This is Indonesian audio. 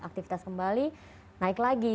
aktivitas kembali naik lagi